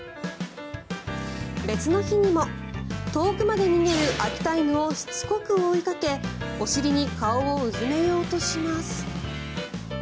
別の日にも遠くまで逃げる秋田犬をしつこく追いかけお尻に顔をうずめようとします。